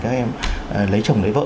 các em lấy chồng lấy vợ